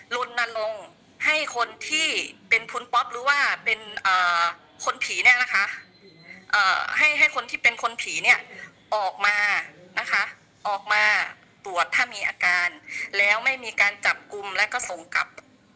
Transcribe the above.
ลนลงให้คนที่เป็นคุณป๊อปหรือว่าเป็นคนผีเนี่ยนะคะให้คนที่เป็นคนผีเนี่ยออกมานะคะออกมาตรวจถ้ามีอาการแล้วไม่มีการจับกลุ่มแล้วก็ส่งกลับ